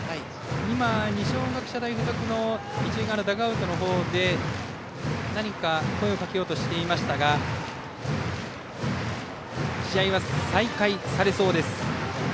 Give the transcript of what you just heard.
今、二松学舎大付属の一塁側ダグアウトのほうで何か声をかけようとしていましたが試合は再開されそうです。